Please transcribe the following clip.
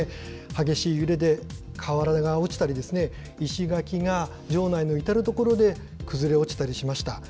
激しい揺れで、瓦が落ちたり、石垣が城内の至る所で崩れ落ちたりしました。